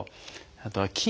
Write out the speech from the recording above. あとは筋